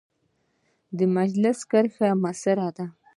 د مجلس کرښه مؤثره ده.